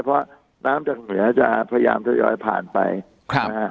เพราะน้ำจากเหนือจะพยายามทยอยผ่านไปครับนะฮะ